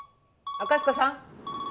赤塚さん！？